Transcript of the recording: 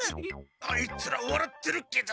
あいつらわらってるけど。